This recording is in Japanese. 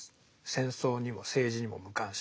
戦争にも政治にも無関心。